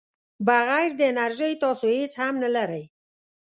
بغیر د انرژۍ تاسو هیڅ هم نه لرئ.